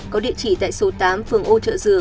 có địa chỉ tại số tám phường ô trợ dừa